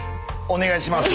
お願いします。